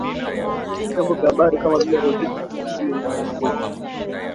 vyombo vya habari kama vile redio televisheni na magazeti